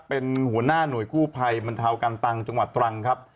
เป็นหัวหน้าหน่วยกู้ภัยบรรเทาการตังจังหวัดตรังครับ